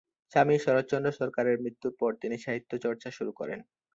স্বামী শরৎচন্দ্র সরকারের মৃত্যুর পর তিনি সাহিত্যচর্চা শুরু করেন।